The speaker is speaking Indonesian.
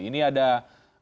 ini ada budi karya